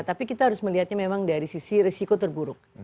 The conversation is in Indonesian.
tapi kita harus melihatnya memang dari sisi risiko terburuk